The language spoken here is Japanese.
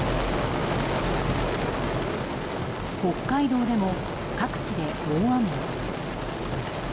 北海道でも各地で大雨に。